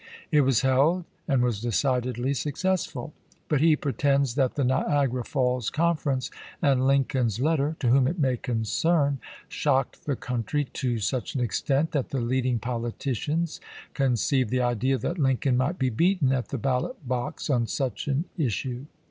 It was held, and was decidedly successful. But he pretends that the Vol. VIII.— 2 18 ABEAHAM LINCOLN CHAP. I. Niagara Falls conference and Lincoln's letter, " To whom it may concern," shocked the country to such an extent that the leading politicians con ceived the idea that Lincoln might be beaten at the ballot box on such an issue.